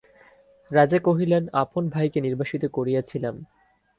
রাজা কহিলেন, আপন ভাইকে নির্বাসিত করিয়াছিলাম।